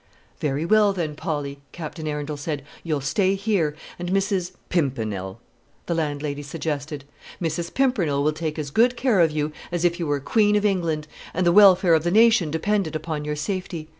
"Very well, then, Polly," Captain Arundel said, "you'll stay here. And Mrs. " "Pimpernel," the landlady suggested. "Mrs. Pimpernel will take as good care of you as if you were Queen of England, and the welfare of the nation depended upon your safety.